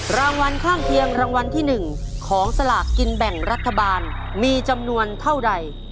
รางวัลข้างเคียงรางวัลที่๑ของสลากกินแบ่งรัฐบาลมีจำนวนเท่าใด